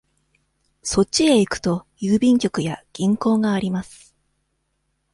そっちへ行くと、郵便局や銀行があります。